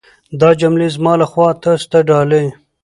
دا جملې زما لخوا تاسو ته ډالۍ.